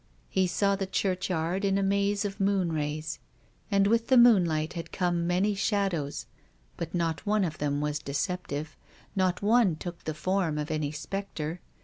He saw the churchyard in a maze of moon rays. And with the moonlight had come many THE GRAVE. 99 shadows. But not one of them was deceptive. Not one took the form of any spectre.